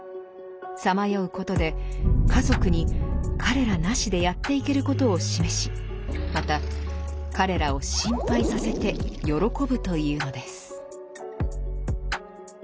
さまようことで家族に彼らなしでやっていけることを示しまた彼らを心配させて喜ぶというのです。